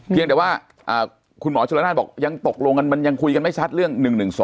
เพียงแต่ว่าคุณหมอชนละนานบอกยังตกลงกันมันยังคุยกันไม่ชัดเรื่อง๑๑๒